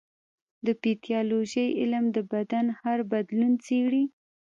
د پیتالوژي علم د بدن هر بدلون څېړي.